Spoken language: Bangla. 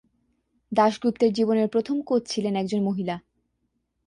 দাশগুপ্তের জীবনের প্রথম কোচ ছিলেন একজন মহিলা।